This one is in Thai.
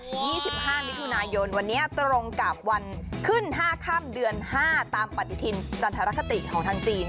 ๒๕มิถุนายนวันนี้ตรงกับวันขึ้นห้าค่ำเดือนห้าตามปฏิทินจันทรคติของทางจีน